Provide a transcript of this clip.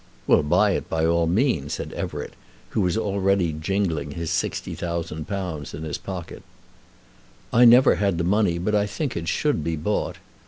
"We'll buy it, by all means," said Everett, who was already jingling his £60,000 in his pocket. "I never had the money, but I think it should be bought."